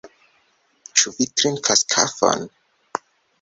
Ĉu vi trinkas kafon?